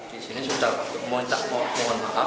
di sini sudah mencak mohon maaf